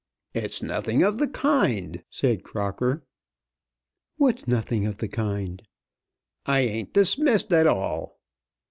"It's nothing of the kind," said Crocker. "What's nothing of the kind?" "I ain't dismissed at all."